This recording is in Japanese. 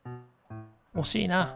おしいな。